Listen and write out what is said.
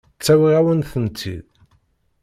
Ttawiɣ-awen-tent-id.